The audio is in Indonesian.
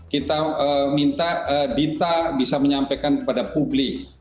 kita minta dita bisa menyampaikan kepada publik